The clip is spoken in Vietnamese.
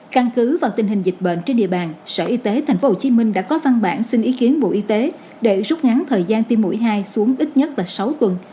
căn cứ vào tình hình dịch bệnh trên địa bàn sở y tế thành phố hồ chí minh đã có văn bản xin ý kiến bộ y tế để rút ngắn thời gian tiêm mũi hai xuống ít nhất là sáu tuần